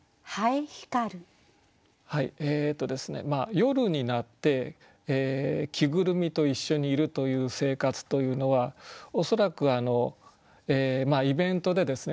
夜になって着ぐるみと一緒にいるという生活というのは恐らくイベントでですね